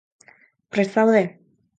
Prest zaude?